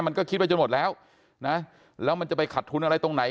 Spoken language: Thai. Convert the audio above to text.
มันก็คิดไปจนหมดแล้วนะแล้วมันจะไปขัดทุนอะไรตรงไหน